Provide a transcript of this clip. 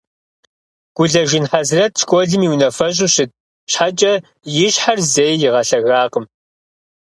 Гулэжын Хьэзрэт школым и унафэщӏу щыт щхьэкӏэ и щхьэр зэи игъэлъэгакъым.